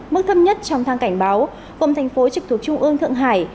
mức thấp nhất trong thang cảnh báo gồm thành phố trực thuộc trung ương thượng hải